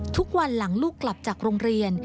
ทุกวันหลังลูกกลับจากโรงเรียน